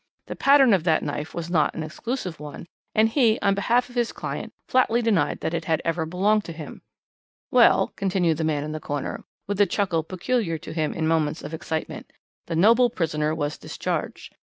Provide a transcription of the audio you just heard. The pattern of that knife was not an exclusive one, and he, on behalf of his client, flatly denied that it had ever belonged to him. "Well," continued the man in the corner, with the chuckle peculiar to him in moments of excitement, "the noble prisoner was discharged.